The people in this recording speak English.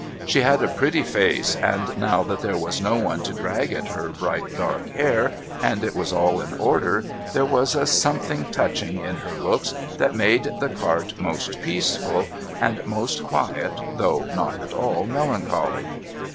She had a pretty face, and now that there was no one to drag at her bright dark hair, and it was all in order, there was a something touching in her looks that made the cart most peaceful and most quiet, though not at all melancholy.